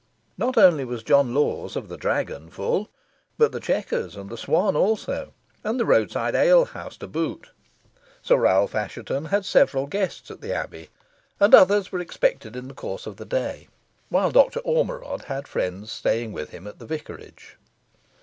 Not only was John Lawe's of the Dragon full, but the Chequers, and the Swan also, and the roadside alehouse to boot. Sir Ralph Assheton had several guests at the abbey, and others were expected in the course of the day, while Doctor Ormerod had friends staying with him at the vicarage.